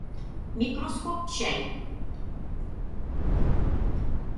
— Микроскоп чай.